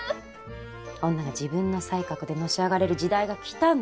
女が自分の才覚でのし上がれる時代が来たの。